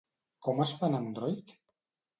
Com es fa en Android?